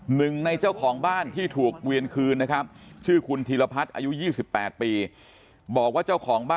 หนึ่งในเจ้าของบ้านที่ถูกเวียนคืนนะครับ